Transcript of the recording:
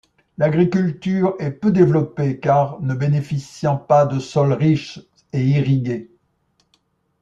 L’agriculture est peu développée car ne bénéficiant pas de sols riches et irrigués.